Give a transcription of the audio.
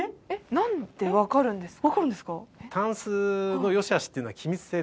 なんで分かるんですか？